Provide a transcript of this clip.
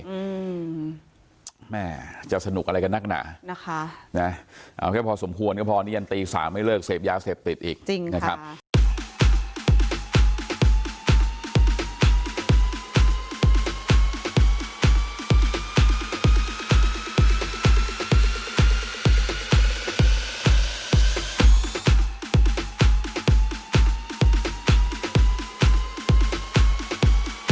อืมแม่จะสนุกอะไรกันนักหนานะคะนะเอาแค่พอสมควรก็พอนี่ยันตีสามไม่เลิกเสพยาเสพติดอีกจริงนะครับ